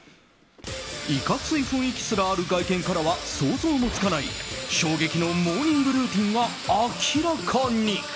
いかつい雰囲気すらある外見からは想像もつかない衝撃のモーニングルーティンが明らかに。